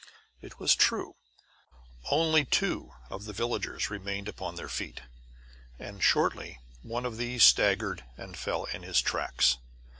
It was true. Only two of the villagers remained upon their feet, and shortly one of these staggered and fell in his tracks.